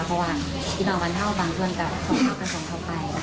เพราะว่าที่ลองบานเท้าบางทุนกับส่วนมากกันส่วนเท่าไหร่นะคะ